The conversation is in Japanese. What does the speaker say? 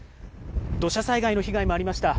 土砂災害の被害もありました。